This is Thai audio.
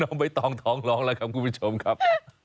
น้องไว้ท้องท้องร้องละครับคุณผู้ชมครับ